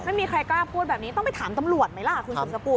ไม่มีใครกล้าพูดแบบนี้ต้องไปถามตำรวจไหมล่ะคุณสุดสกุล